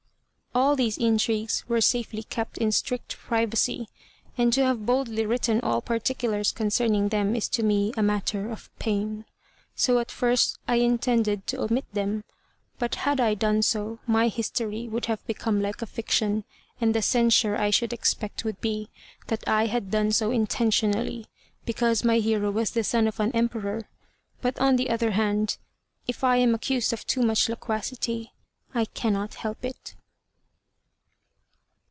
All these intrigues were safely kept in strict privacy, and to have boldly written all particulars concerning them is to me a matter of pain. So at first I intended to omit them, but had I done so my history would have become like a fiction, and the censure I should expect would be that I had done so intentionally, because my hero was the son of an Emperor; but, on the other hand, if I am accused of too much loquacity, I cannot help it.